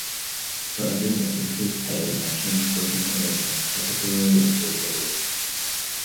The agreement increased pay and changed working arrangements, particularly in delivery.